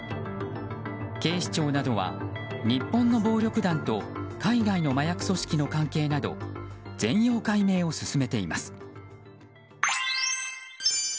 警視庁などは日本の暴力団と海外の麻薬組織の関係など全容解明を進めています。